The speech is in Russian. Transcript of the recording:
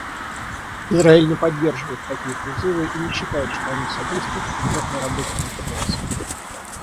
Израиль не поддерживает такие призывы и не считает, что они содействуют предметной работе Конференции.